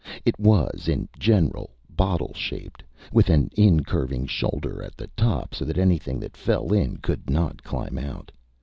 It was, in general, bottle shaped, with an incurving shoulder at the top so that anything that fell in could not climb out.